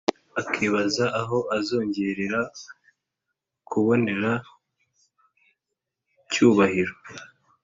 akibaza aho azongerera kubonera cyubahiro